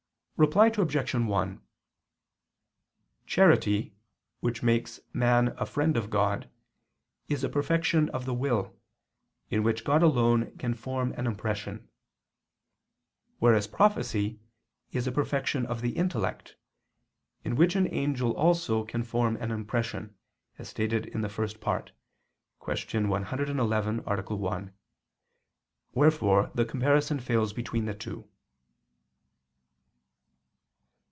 Reply Obj. 1: Charity which makes man a friend of God, is a perfection of the will, in which God alone can form an impression; whereas prophecy is a perfection of the intellect, in which an angel also can form an impression, as stated in the First Part (Q. 111, A. 1), wherefore the comparison fails between the two.